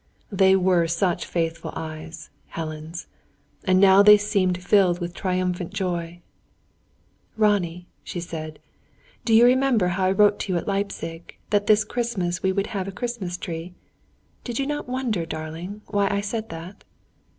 They were such faithful eyes Helen's; and now they seemed filled with triumphant joy. "Ronnie," she said, "do you remember how I wrote to you at Leipzig, that this Christmas we would have a Christmas tree? Did not you wonder, darling, why I said that?"